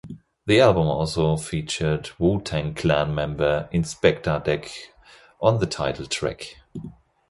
The album also featured Wu-Tang Clan member Inspectah Deck on the title track.